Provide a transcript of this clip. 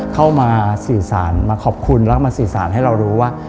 เข้ามาสื่อสารมาขอบคุณแล้วก็มาสื่อสารให้เรารู้ว่า